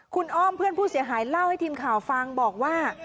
คุณอ้อมเพื่อนผู้เสียหายเล่าให้ทีมข่าวฟังบอกว่า